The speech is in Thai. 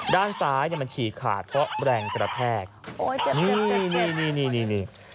ด้านซ้ายเนี้ยมันฉีดขาดเพราะแรงกระแพกโอ้ยเจ็บเจ็บเจ็บเจ็บนี่นี่นี่นี่นี่นี่